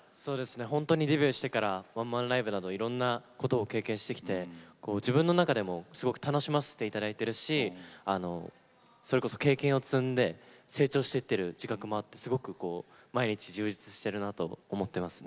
ほんとにデビューしてからワンマンライブなどいろんなことを経験してきて自分の中でもすごく楽しませて頂いてるしそれこそ経験を積んで成長していってる自覚もあってすごく毎日充実してるなと思ってます。